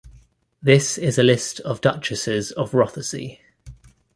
This is a list of Duchesses of Rothesay.